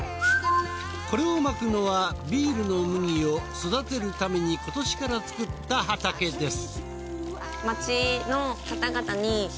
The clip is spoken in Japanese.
これをまくのはビールの麦を育てるために今年から作った畑です。